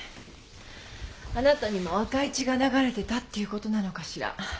あなたにも赤い血が流れてたっていうことなのかしら？